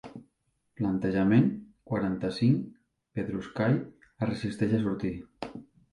Plantejament quaranta-cinc pedruscall es resisteix a sortir.